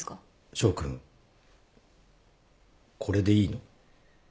翔君これでいいの？